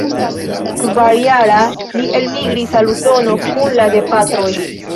Kvarjara, li elmigris al Usono kun la gepatroj.